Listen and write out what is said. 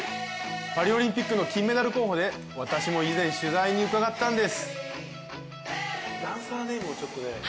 パリオリンピックの金メダル候補で私も以前、取材に伺ったんです。